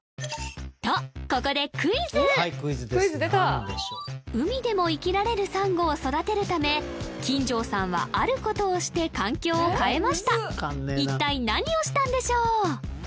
とここでクイズ海でも生きられるサンゴを育てるため金城さんはあることをして環境を変えました一体何をしたんでしょう？